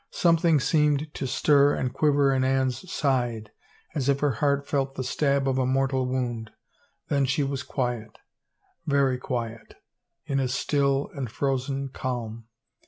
Some thing seemed to stir and quiver in Anne's side as if her heart felt the stab of a mortal wound, then she was quiet, very quiet, in a still and frozen calm.